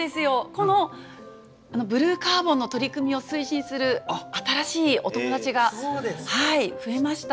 このブルーカーボンの取り組みを推進する新しいお友達が増えました。